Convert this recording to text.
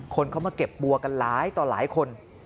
คนเขามาเก็บบัวกันหลายต่อหลายคน